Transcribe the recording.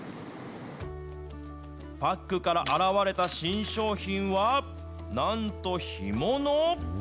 パックから現れた新商品は、なんと干物？